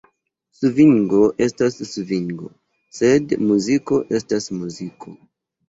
Svingo estas svingo, sed muziko estas muziko!